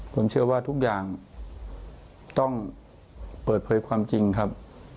ผมเชื่อว่าทุกอย่างต้องเปิดเผยความจริงครับ